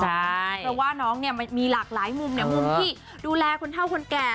เพราะว่าน้องเนี่ยมันมีหลากหลายมุมมุมที่ดูแลคนเท่าคนแก่